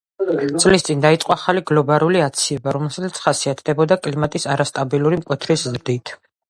წლის წინ დაიწყო ახალი გლობალური აცივება, რომელიც ხასიათდებოდა კლიმატის არასტაბილური მკვეთრი ზრდით.